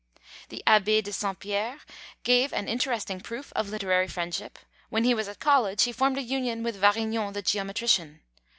The Abbé de Saint Pierre gave an interesting proof of literary friendship. When he was at college he formed a union with Varignon, the geometrician.